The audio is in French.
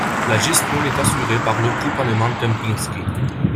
La gestion est assurée par le groupe allemand Kempinski.